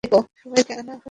সবাইকে আনা শেষ হয়েছে?